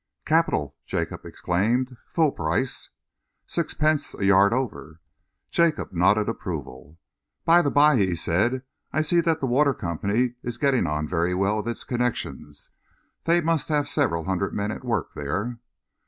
"Capital!" Jacob exclaimed. "Full price?" "Sixpence a yard over." Jacob nodded approval. "By the bye," he said, "I see that the Water Company is getting on very well with its connections. They must have several hundred men at work there."